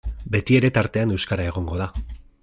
Betiere tartean euskara egongo da.